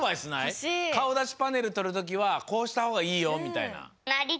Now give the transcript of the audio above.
ほしい！かおだしパネルとるときはこうしたほうがいいよみたいな。